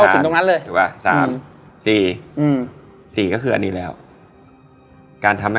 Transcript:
หน้าทำ